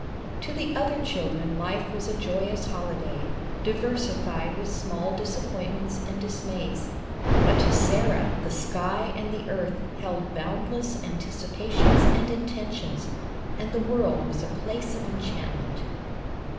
To the other children life was a joyous holiday, diversified with small disappointments and dis mays ; but to Sarah the sky and the earth held boundless anticipations and intentions, and the world was a place of enchantment.